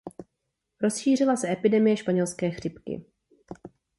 Rozšířila se epidemie španělské chřipky.